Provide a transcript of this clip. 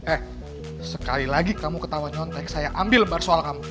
eh sekali lagi kamu ketawa nyontek saya ambil lebar soal kamu